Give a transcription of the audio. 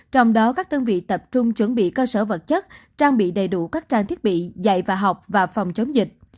trong đó các đơn vị tập trung chuẩn bị cơ sở vật chất trang bị đầy đủ các trang thiết bị dạy và học và phòng chống dịch